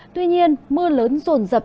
tuy nhiên mưa lớn rồn rập